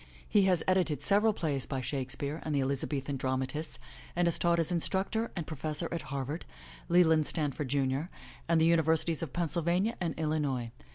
. He has edited several plays by Shakespeare and the Elizabethan dramatists, and has taught as instructor and professor at Harvard, Leland Stanford, Jr. and the Universities of Pennsylvania and Illinois.